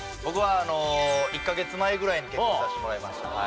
僕は１カ月前ぐらいに結婚させてもらいました。